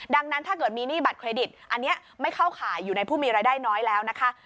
ดังนั้นถ้าเกิดมีหนี้บัตรเครดิตอันนี้ไม่เข้าข่ายอยู่ในผู้มีรายได้น้อยแล้วนะคะ